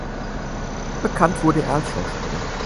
Bekannt wurde er als Schauspieler.